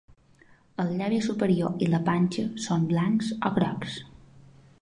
El llavi superior i la panxa són blancs o grocs.